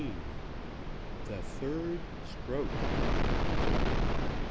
THE THIRD STROKE.